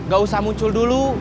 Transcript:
gak usah muncul dulu